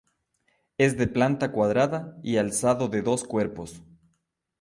Es de planta cuadrada y alzado de dos cuerpos.